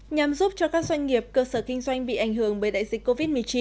nhằm giúp cho các doanh nghiệp cơ sở kinh doanh bị ảnh hưởng bởi đại dịch covid một mươi chín